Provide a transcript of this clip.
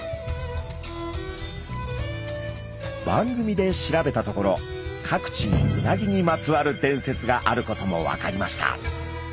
番組で調べたところ各地にうなぎにまつわる伝説があることも分かりました。